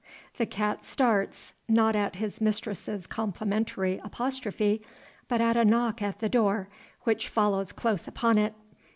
The cat starts not at his mistress's complimentary apostrophe, but at a knock at the door, which follows close upon it.